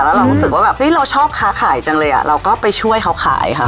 แล้วเรารู้สึกว่าแบบเฮ้ยเราชอบค้าขายจังเลยเราก็ไปช่วยเขาขายค่ะ